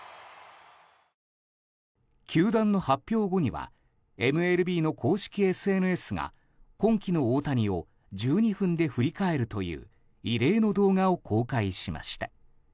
球団の発表後にはＭＬＢの公式ＳＮＳが今季の大谷を１２分で振り返るという異例の動画を公開しました。